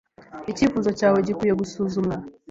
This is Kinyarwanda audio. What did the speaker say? Icyifuzo cyawe gikwiye gusuzumwa.